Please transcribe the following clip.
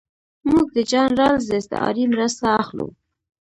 موږ د جان رالز د استعارې مرسته اخلو.